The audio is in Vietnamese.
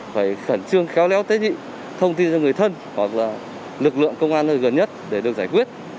phải khẩn trương khéo léo tết nhị thông tin cho người thân hoặc là lực lượng công an gần nhất để được giải quyết